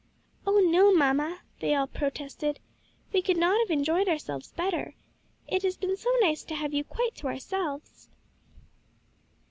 "Oh, no, mamma," they all protested, "we could not have enjoyed ourselves better. It has been so nice to have you quite to ourselves."